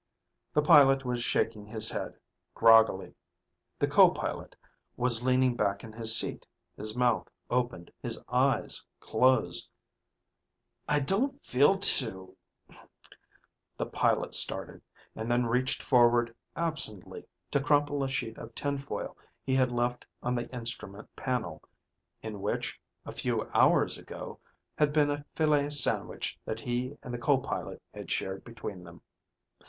The pilot was shaking his head, groggily. The co pilot was leaning back in his seat, his mouth opened, his eyes closed. "I don't feel too ..." The pilot started, and then reached forward absently to crumple a sheet of tin foil he had left on the instrument panel, in which, a few hours ago, had been a filet sandwich that he and the co pilot had shared between them.